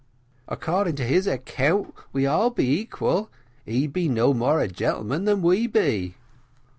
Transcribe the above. "According to his 'count, as we be all equal, he be no more a gentleman than we be."